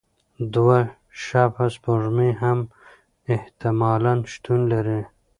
دوه شبح سپوږمۍ هم احتمالاً شتون لري.